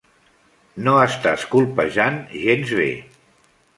No estàs colpejant gens bé.